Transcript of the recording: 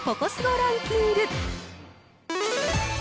ランキング。